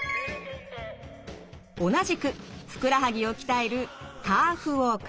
同じくふくらはぎを鍛えるカーフウォーク。